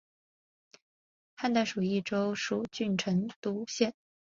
汉代属益州蜀郡成都县。